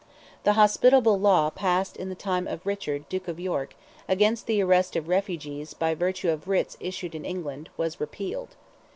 The hospitable law passed in the time of Richard, Duke of York, against the arrest of refugees by virtue of writs issued in England, was repealed.